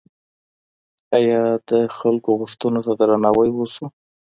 آيا د خلګو غوښتنو ته درناوی وسو؟